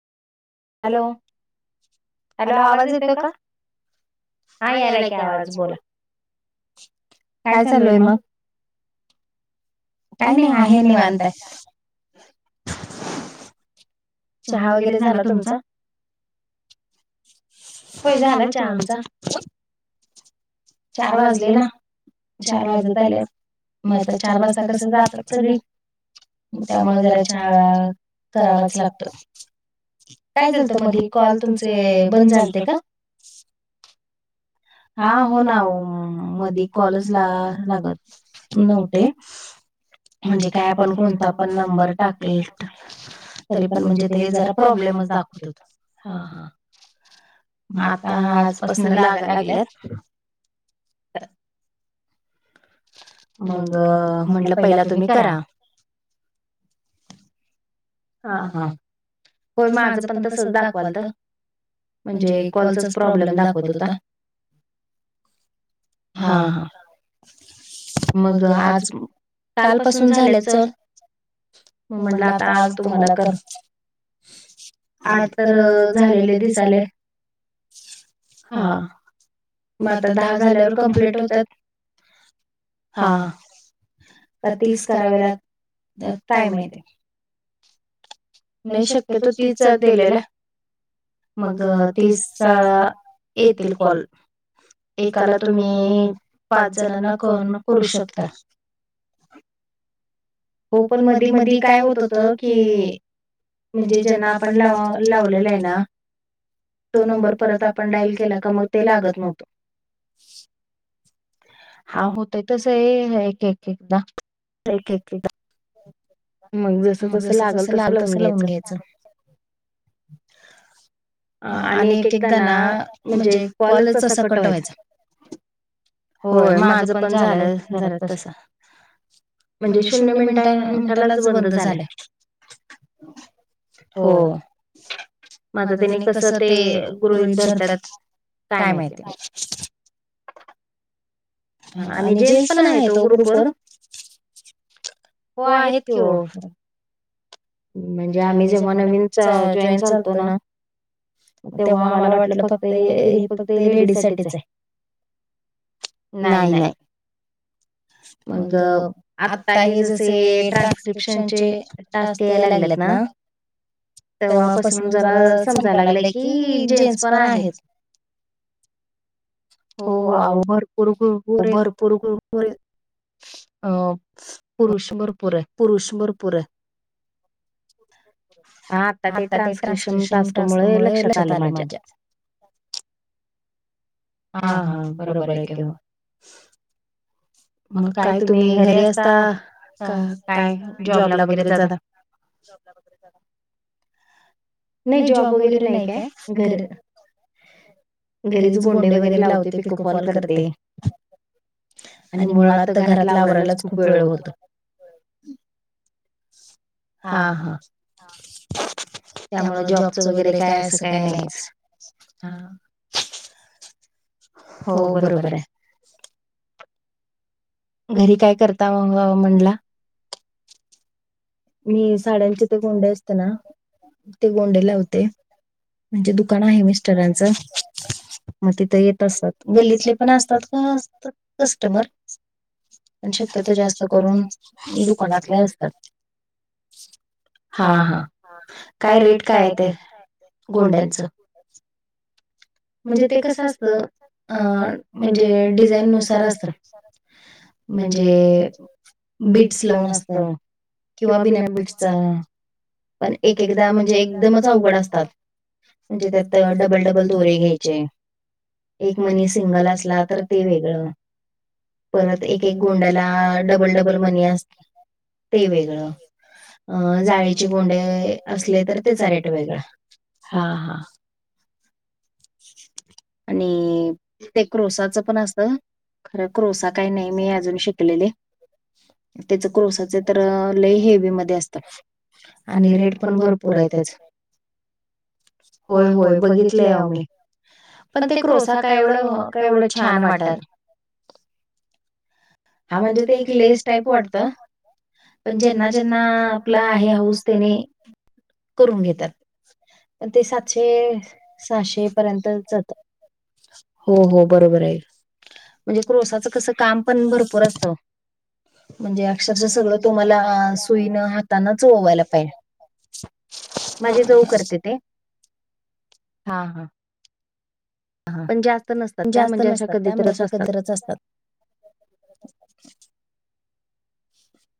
Hello! Hello! आवाज येतोय का? हा यायला की आवाज बोला. काय चालू हाय मग? काय नाई आहे निवांत. चहा वगैरे झाला तुमचा? होय झाला चहा आमचा. [unintelligible] चार वाजले ना. चार वाजत आल्यात म् आता चार वाजता कसं जातात सगळी? म् त्यामुळे जरा चहा करावाच लागतो. काय झालतं मधी कॉल तुमचे बंद झालते का? हां हो ना ओ मधी कॉलच ला... लागत नव्हते. म्हणजे काय आपण कोणता पण नंबर टाकल टाक् तरी पण म्हणजे ते जरा प्रॉब्लेमच दाखवत होत. हा हा. म् आता आजपासन लागाय लागल्यात. [unintelligible] [inaudible] मग म्हणलं पहिला तुम्ही करा. हा हा. होय माझं पण तसच दाखवायलतं. म्हणजे कॉलचाच प्रॉब्लेम दाखवत होता. हां हां. मग आज काल पासून झाल्याच म्हणलं आता आज तुम्हाला कर् आठ तर झालेले दिसालय. हां म् आता दहा झाल्यावर कम्प्लीट होतात. हा का तीस करावे लाग.. तात काय माहिती. नाही शक्यतो तीसच दिलेले. मग तीस येतील कॉल. एकाला तुम्ही पाच जणांना कन् करू शकता. हो पण मधी मधी काय होत होत की, म्हणजे ज्यांना आपण लाव् लावलेला आहे ना तो नंबर परत आपण डायल केला का मग ते लागत नव्हतं. अहो होत तस हे है एक एकदा. एक एक एकदा मग जसं जसं लागल तसं लावून घ्यायचं. [inaudible] आणि एक एकदा ना म्हणजे कॉलचं असा कट व्हायचा, होय माझं पण झाल्यात जरा तसं. म्हणजे शून्य मिनट् मिनटालाच बंद झाल. हो म् आता त्यांनी कसं ते गृहीत धरतात काय माहिती. हा आणि जेंट्स पण आहेत ओ ग्रुपवर. हो आहेत की ओ. म्हणजे आम्ही जेव्हा नवीन जॉईन झालतो ना तेव्हा आम्हाला वाटलं फक्त हे, हे फक्त लेडीज साठीच हाय. नाई नाय. मग, आता हे जसे ट्रान्सस्क्रीप्शन चे टास्क याय लागल्यात ना तेव्हापसून जरा समजायला लागलय की, जेंट्स पण आहेत. हो हो, आओ भरपूर ग्रुप भरपूर ग्रुप वर अ, पुरुष भरपूर हाय. पुरुष भरपूरा हाय. [inaudible] हा, आता ते ट्रान्स्क्रिपशन टास्क मुळं लक्षात आलं माझ्या. हा हा बरोबर आहे कि हो. मग काय तुम्ही घरी असता, का काय जॉबला वगैरे जाता. जॉबला वगैरे जाता. नाही जॉब वगैरे नाही काय, घर घरीच गोंडे वगैरे लावते, पिकोफॉल करते. आणि मुळात घरातलं आवरायलाच खूप वेळ होतो. हा हा. त्यामुळं जॉबचं वगैरे काय असं काही नाहीच, हा. हो बरोबर आहे. घरी काय करता मग म्हणला? मी साड्यांचे ते गोंडे असते ना, ते गोंडे लावते. म्हणजे दुकान आहे मिस्टरांचं. मग तिथं येत असतात, गल्लीतले पण असतात काय कस्टमर. पण शक्यतो जास्त करून दुकानातलेच असतात. हा हा, काय रेट काय आहे ते गोंड्यांचं. म्हणजे ते कसं असतं. अ म्हणजे डिझाईन नुसार असतं. म्हणजे बीट्स लावून असतं. किंवा बिना बीट्सचा पण एकेकेदा म्हणजे एकदमच अवघड असतात, म्हणजे त्यात डबल डबल दोरे घ्यायचे, एक मनी सिंगल असला तर ते वेगळं. परत एक एक गोंड्याला डबल डबल मनी अस ते वेगळं, अ जाळी चे गोंडे असले तर त्याचा रेट वेगळा, हा हा. ह [inaudible] आणि, ते क्रोसाचं पण असतं. खरं क्रोसा काय नाही मी अजून शिकलेले. त्याच क्रोसाच तर लय हेवी मध्ये असतं. आणि रेट पण भरपूर आहे त्याचं, होय होय बघितलंय आहो मी. पण ते क्रोसा काय एवढं, काय एवढं छान वाटल हा म्हणजे ते एक लेस टाईप वाटतं. पण ज्यांना ज्यांना आपलं आहे हौस तेनी करून घेत्यात आणि ते सातशे, सहाशे पर्यंत जातात. हो हो बरोबर आहे. म्हणजे क्रोसाचं कसं काम पण भरपूर असतं. म्हणजे अक्षरशा सगळं तुम्हाला सुईन हातान् चं ओवायला पाय्..... आणि काय करतय ते? हा हा पण जास्त नसतात त्या म्हणजे अशा कधीतरच असतात.